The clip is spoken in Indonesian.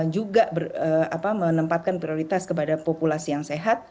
juga menempatkan prioritas kepada populasi yang sehat